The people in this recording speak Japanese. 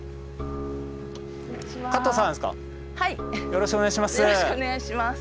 よろしくお願いします。